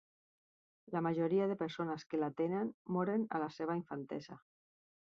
La majoria de persones que la tenen moren a la seva infantesa.